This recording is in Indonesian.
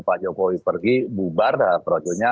pak jokowi pergi bubar dalam proyeknya